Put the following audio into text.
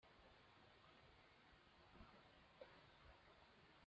I thought we'd agreed that you wouldn't actually be meeting him?